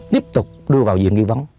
tiếp tục đưa vào diện nghi vấn